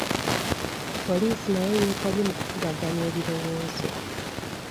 Poliisi nayo yeetabye mu kukubaganya ebirowoozo.